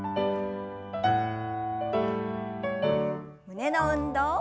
胸の運動。